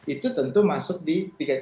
itu tentu masuk di tiga ratus tiga puluh delapan